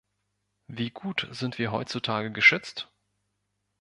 Wie gut sind wir heutzutage geschützt?